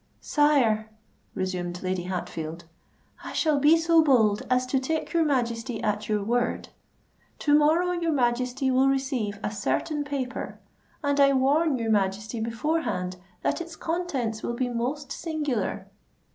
"Sire," resumed Lady Hatfield, "I shall be so bold as to take your Majesty at your word. To morrow your Majesty will receive a certain paper; and I warn your Majesty beforehand that its contents will be most singular."